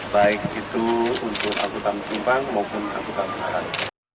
baik itu untuk akutan penumpang maupun akutan penerbangan